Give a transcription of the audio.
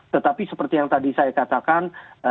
tetapi seperti yang tadi saya katakan